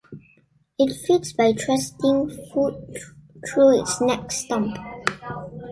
It feeds by thrusting food through its neck stump.